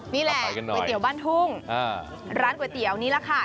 นี่แหละก๋วยเตี๋ยวบ้านทุ่งร้านก๋วยเตี๋ยวนี่แหละค่ะ